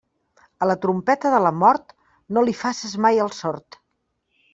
A la trompeta de la mort, no li faces mai el sord.